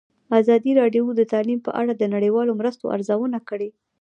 ازادي راډیو د تعلیم په اړه د نړیوالو مرستو ارزونه کړې.